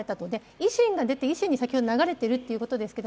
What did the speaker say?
維新が出て、維新に流れてるということでしたけど